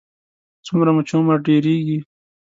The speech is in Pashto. څومره مو چې عمر ډېرېږي.